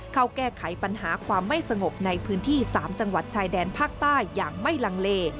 เข้าแก้ไขปัญหาความไม่สงบในพื้นที่๓จังหวัดชายแดนภาคใต้อย่างไม่ลังเล